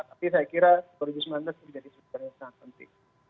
tapi saya kira dua ribu sembilan belas menjadi sesuatu yang sangat penting